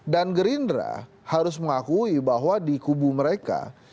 dan gerindra harus mengakui bahwa di kubu mereka